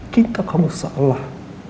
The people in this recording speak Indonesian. kita kamu salah